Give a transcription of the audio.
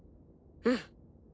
うん。